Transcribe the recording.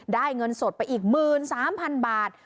เงินสดไปอีก๑๓๐๐๐บาท